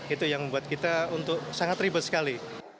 itu yang membuat kita untuk sangat ribet sekali